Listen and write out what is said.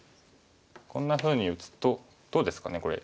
こんなふうに打つとどうですかねこれ。